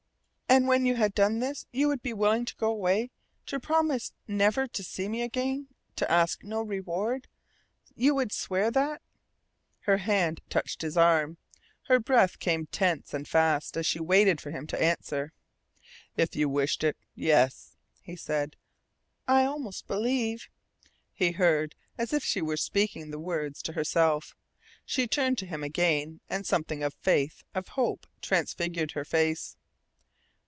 "And when you had done this you would be willing to go away, to promise never to see me again, to ask no reward? You would swear that?" Her hand touched his arm. Her breath came tense and fast as she waited for him to answer. "If you wished it, yes," he said. "I almost believe," he heard, as if she were speaking the words to herself. She turned to him again, and something of faith, of hope transfigured her face.